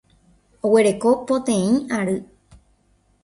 Oguereko poteĩ ary.